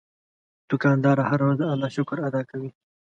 دوکاندار هره ورځ د الله شکر ادا کوي.